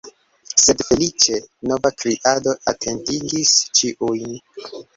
Sed, feliĉe, nova kriado atentigis ĉiujn.